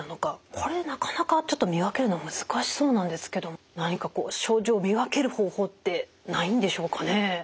これなかなかちょっと見分けるの難しそうなんですけど何かこう症状を見分ける方法ってないんでしょうかね？